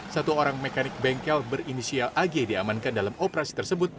satu orang mekanik bengkel berinisial ag diamankan dalam operasi tersebut